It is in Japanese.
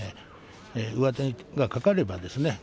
上手が掛かればですね。